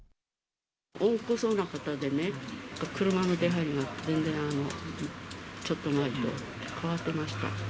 温厚そうな方でね、車の出はいりが、全然ちょっと前と変わってました。